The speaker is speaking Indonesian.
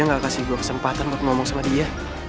gue kesempatan buat ngomong sama dia